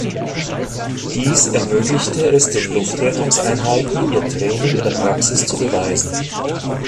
Dies ermöglichte es den Luftrettungs-Einheiten, ihr Training in der Praxis zu beweisen.